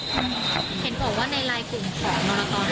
เห็นบอกว่าในลายกลุ่มของนร๕๕มีการพูดกดกรรมแก่